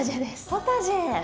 ポタジェ。